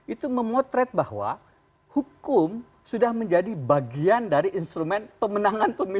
itu memotret bahwa hukum sudah menjadi bagian dari instrumen pemenangan pemilu dua ribu dua puluh satu